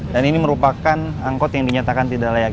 dan ini merupakan angkot yang dinyatakan tidak layak